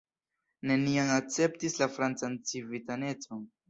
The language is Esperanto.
Neniam akceptis la francan civitanecon.